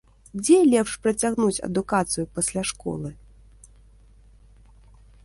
Дзе лепш працягнуць адукацыю пасля школы?